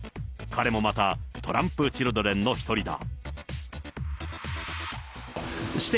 彼もまたトランプ・チルドレンの１人だ。